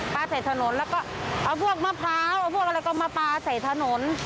ใส่ถนนแล้วก็เอาพวกมะพร้าวเอาพวกอะไรก็มาปลาใส่ถนน